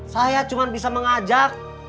saya cuma bisa mengajak